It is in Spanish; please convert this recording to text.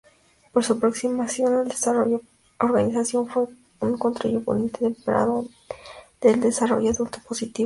Por su aproximación al desarrollo organizacional fue un contribuyente temprano del Desarrollo Adulto Positivo.